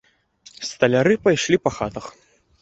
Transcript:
Сталяры пайшлі па хатах.